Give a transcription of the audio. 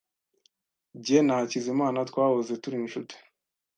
Jye na Hakizimana twahoze turi inshuti.